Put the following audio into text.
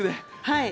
はい。